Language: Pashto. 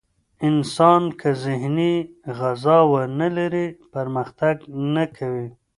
انسان که ذهني غذا ونه لري، پرمختګ نه کوي.